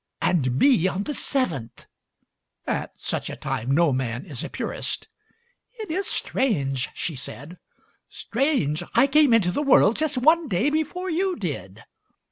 "And me on the seventh!" At such a time no man is a purist. "It is strange," she said. "Strange! I came into the world just one day before you did!"